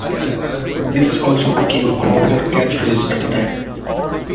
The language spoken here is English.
This also became a popular catchphrase at the time.